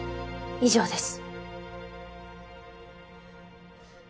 以上です。